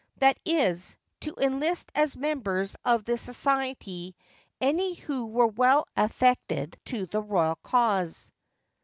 '—That is, to enlist as members of the Society any who were well affected to the Royal cause.